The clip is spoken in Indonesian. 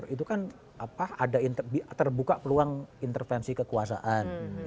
itu kan ada terbuka peluang intervensi kekuasaan